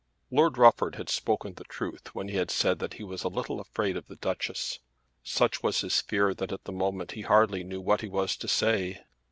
Lord Rufford had spoken the truth when he had said that he was a little afraid of the Duchess. Such was his fear that at the moment he hardly knew what he was to say.